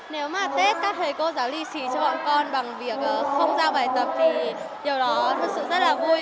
nếu mà tết các thầy cô giáo lì xì cho bọn con bằng việc không giao bài tập thì điều đó thật sự rất là vui